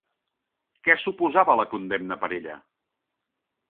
Què suposava la condemna per ella?